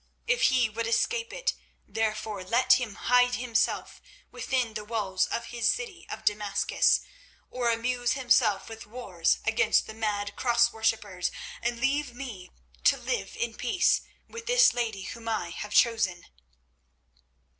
If he would escape it, therefore, let him hide himself within the walls of his city of Damascus, or amuse himself with wars against the mad Cross worshippers, and leave me to live in peace with this lady whom I have chosen."